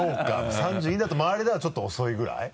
３２だと周りではちょっと遅いぐらい？